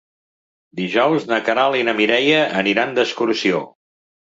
Dijous na Queralt i na Mireia aniran d'excursió.